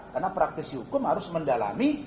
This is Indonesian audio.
karena praktisi hukum harus mendalami